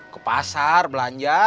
ke pasar belanja